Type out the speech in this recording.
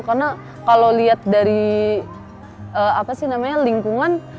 karena kalau lihat dari lingkungan